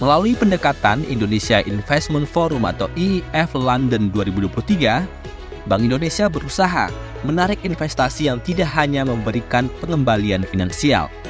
melalui pendekatan indonesia investment forum atau ief london dua ribu dua puluh tiga bank indonesia berusaha menarik investasi yang tidak hanya memberikan pengembalian finansial